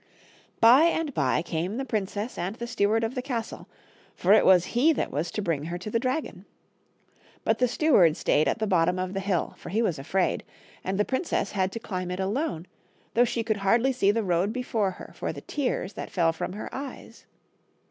By and by came the princess and the steward of the castle, for it was he that was to bring her to the dragon. But the steward stayed at the bottom of the hill, for he was afraid, and the princess had to climb it alone, though she could hardly see the road before her for the tears that fell from her eyes.